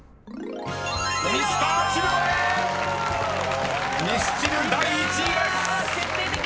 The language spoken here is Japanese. ［ミスチル第１位です］決定的！